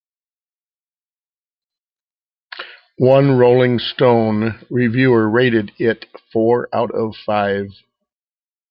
One "Rolling Stone" reviewer rated it four out of five.